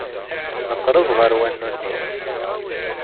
Nqerreb ɣer wanu-nni.